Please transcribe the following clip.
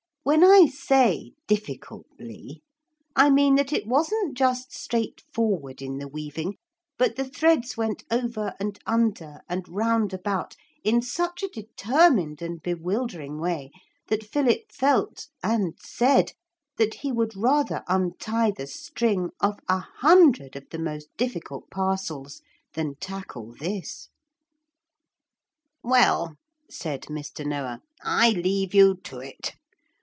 When I say difficultly, I mean that it wasn't just straight forward in the weaving, but the threads went over and under and round about in such a determined and bewildering way that Philip felt and said that he would rather untie the string of a hundred of the most difficult parcels than tackle this. 'Well,' said Mr. Noah, 'I leave you to it.